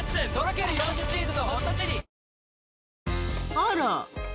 あら。